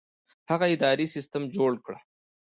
هغه اداري سیستم جوړ کړ.